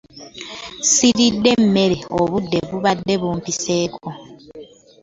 Ssiridde mmere, obudde bubadde bumpiseeko.